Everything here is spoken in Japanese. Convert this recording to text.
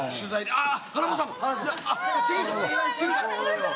ああ！